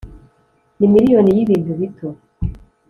ni miriyoni yibintu bito.